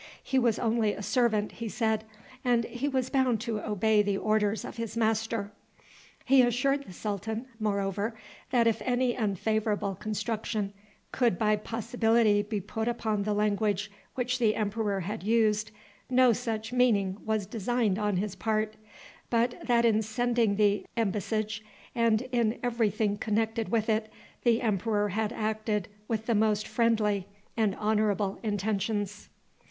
He was only a servant, he said, and he was bound to obey the orders of his master. He assured the sultan, moreover, that if any unfavorable construction could by possibility be put upon the language which the emperor had used, no such meaning was designed on his part, but that in sending the embassage, and in every thing connected with it, the emperor had acted with the most friendly and honorable intentions.